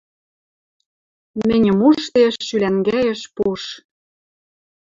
Мӹньӹм ужде, шӱлӓнгӓэш пуш.